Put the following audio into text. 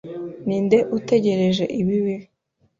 ninde utegereje ibibi